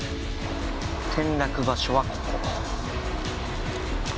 転落場所はここ。